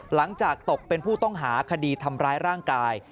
หลังจากตกเป็นผู้ต้องหาคดีทำร้ายร่างกาย